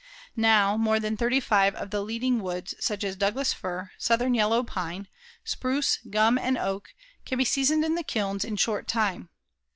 Now more than thirty five of the leading woods such as Douglas fir, southern yellow pine, spruce, gum and oak can be seasoned in the kilns in short time.